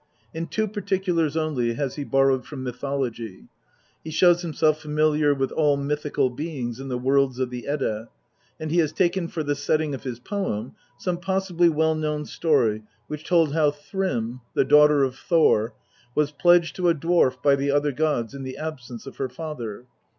In two particulars only has he borrowed from mytho logy he shows himself familiar with all mythical beings in the worlds of the Edda, and he has taken for the setting of his poem some possibly well known story which told how Thrym, the daughter of Thor, was pledged to a dwarf by the other gods in the absence of her father.